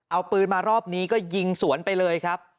เอาปืนมารอบนี้ก็ยิงสวนไปเลยครับ